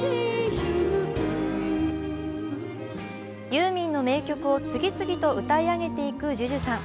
ユーミンの名曲を次々と歌い上げていくＪＵＪＵさん。